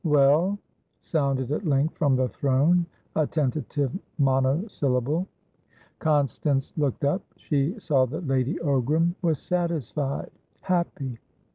"Well?" sounded at length from the throne, a tentative monosyllable. Constance looked up. She saw that Lady Ogram was satisfied, happy.